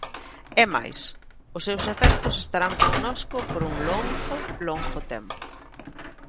É máis, os seus efectos estarán connosco por un longo, longo tempo.